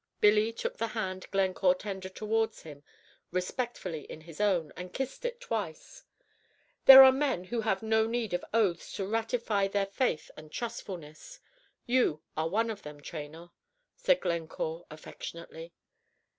Billy took the hand Glencore tendered towards him respectfully in his own, and kissed it twice. "There are men who have no need of oaths to ratify their faith and trustfulness. You are one of them, Tray nor," said Glencore, affectionately.